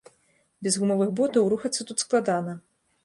Без гумавых ботаў рухацца тут складана.